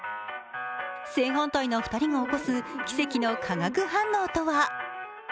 正反対な２人が起こす奇跡の化学反応とは？